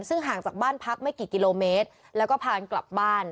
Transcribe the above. ซึ่งห่างจากบ้านพักไม่กี่กิโลเมตรแล้วก็พากลับบ้าน